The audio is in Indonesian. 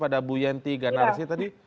pada bu yanti ganarsih tadi